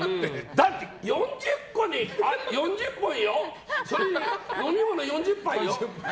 だって４０個よ飲み物４０杯よ？